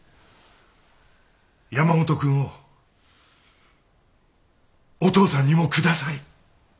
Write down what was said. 山本君をお父さんにも下さい。